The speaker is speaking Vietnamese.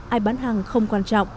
ai bán hàng không quan trọng